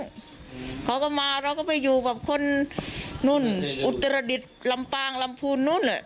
เขาก็มาเราก็ไปอยู่กับคนนู่นอุตรดิษฐ์ลำปางลำพูนนู้น